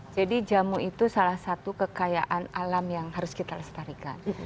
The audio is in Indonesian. jadi jamu itu salah satu kekayaan alam yang harus kita lestarikan